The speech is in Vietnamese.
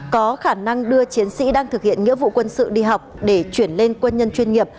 có khả năng đưa chiến sĩ đang thực hiện nghĩa vụ quân sự đi học để chuyển lên quân nhân chuyên nghiệp